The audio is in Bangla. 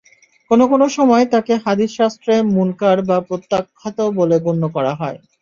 কোন কোন সময় তাকে হাদীস শাস্ত্রে মুনকার বা প্রত্যাখ্যাত বলে গণ্য করা হয়।